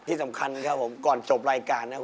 ที่สำคัญครับผมก่อนจบรายการนะครับ